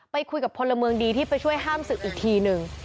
ไปคุยกับพลเมืองดีที่ไปช่วยห้ามศึกอีกทีหนึ่ง